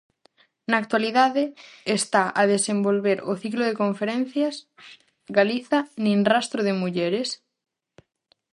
Na actualidade está a desenvolver o ciclo de conferencias "Galiza: Nin rastro de mulleres?".